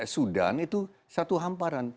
sudan itu satu hamparan